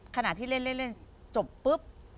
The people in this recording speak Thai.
ขณะที่เล่นจบปุ๊บ